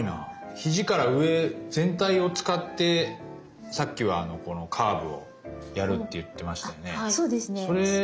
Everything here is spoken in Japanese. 肘から上全体を使ってさっきはこのカーブをやるって言ってましたよね。